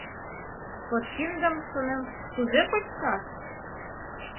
Подкиндым, шонем, кузе кочшаш?